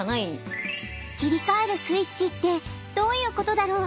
切り替えるスイッチってどういうことだろう？